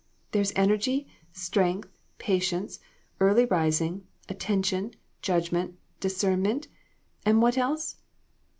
"There's energy, strength, patience, early rising, attention, judg ment, discernment and what else?"